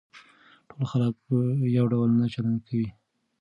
ټول خلک يو ډول نه چلن کوي.